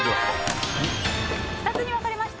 ２つに分かれました。